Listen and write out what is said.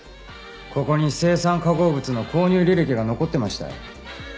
ここに青酸化合物の購入履歴が残ってました。